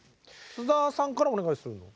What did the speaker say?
菅田さんからお願いするの？